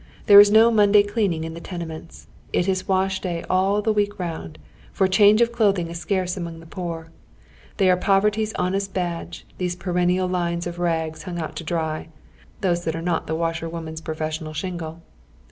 There is no Monday deaninj; in [he tenements. It is wash day all tlie week round, for a change of clothing is scarce among the poor, Tlicy are poverty's honest badge, these perennial lines of rags hung out to dry, those that are not the washerwoman's professional shingle.